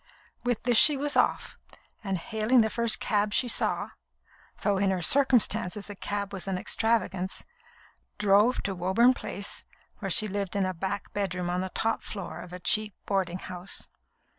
With this she was off, and, hailing the first cab she saw (though in her circumstances a cab was an extravagance), drove to Woburn Place, where she lived in a back bedroom on the top floor of a cheap boarding house.